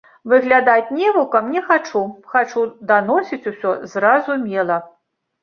Выглядаць невукам не хачу, хачу даносіць усё зразумела.